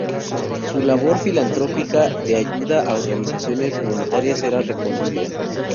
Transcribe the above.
Su labor filantrópica de ayuda a organizaciones humanitarias era reconocida.